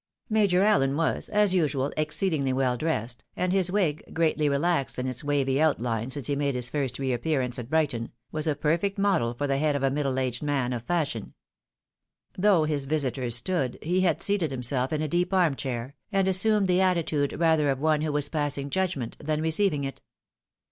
Major Allen was, as usual, exceedingly well dressed, and his wig, greatly relaxed in its wavy outhne since he made his first re appearance at Brighton, was a perfect model for the head of a middle aged man of fashion. Though his visitors stood, he had seated himself in a deep arm chair, and assumed/ the atti tude rather of one who was passing judgment, than receiving it.